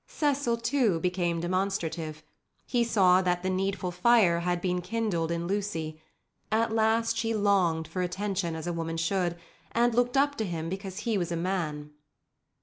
Cecil, too, became demonstrative. He saw that the needful fire had been kindled in Lucy. At last she longed for attention, as a woman should, and looked up to him because he was a man.